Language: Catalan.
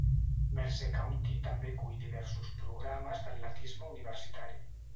Mercer County també acull diversos programes d'atletisme universitari.